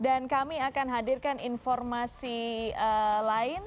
dan kami akan hadirkan informasi lain